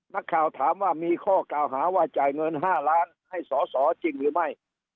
นักข่าวถามว่ามีข้อกล่าวหาว่าจ่ายเงิน๕ล้านให้สอสอจริงหรือไม่